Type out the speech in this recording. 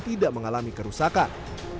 tidak mengalami kerusakan